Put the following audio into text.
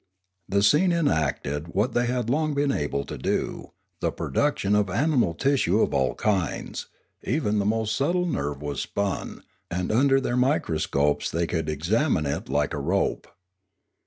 One scene enacted what they had long been able to do, the pro duction of animal tissue of all kinds; even the most subtle nerve was spun, and under their microscopes they could examine it like a rope.